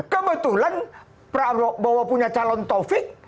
kebetulan prabowo punya calon taufik